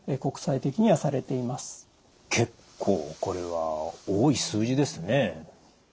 結構これは多い数字ですね。